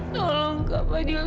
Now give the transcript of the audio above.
tolong kak fadil